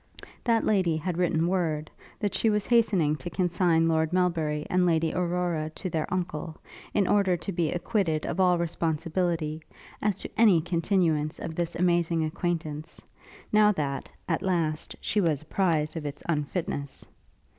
That lady had written word, that she was hastening to consign Lord Melbury and Lady Aurora to their uncle; in order to be acquitted of all responsibility, as to any continuance of this amazing acquaintance, now that, at last, she was apprized of its unfitness.